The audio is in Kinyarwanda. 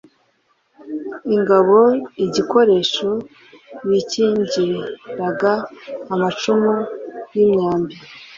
ingabo igikoresho bikingiraga amacumu y'imyambi